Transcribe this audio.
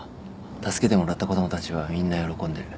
助けてもらった子供たちはみんな喜んでる。